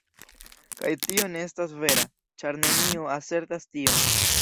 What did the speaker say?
Kaj tio ne estas vera, ĉar neniu asertas tion.